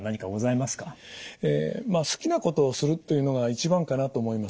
まあ好きなことをするというのが一番かなと思います。